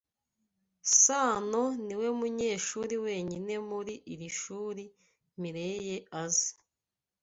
Sanoniwe munyeshuri wenyine muri iri shuri Mirelle azi.